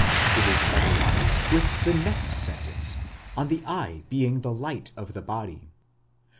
Itis otherwise with the next sentence, on the eye being the light of the body.